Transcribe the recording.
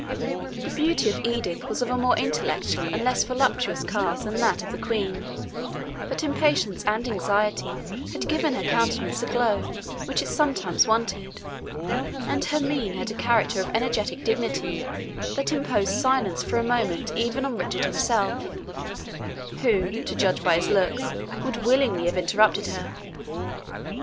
The beauty of Edith was of a more intellectual and less voluptuous cast than that of the Queen; but impatience and anxiety had given her countenance a glow which it sometimes wanted, and her mien had a character of energetic dignity that imposed silence for a moment even on Richard himself, who, to judge by his looks, would willingly have interrupted her.